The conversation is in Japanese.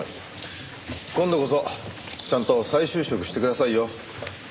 今度こそちゃんと再就職してくださいよ。